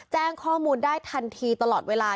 แจ้งข้อมูลได้ทันทีตลอดเวลา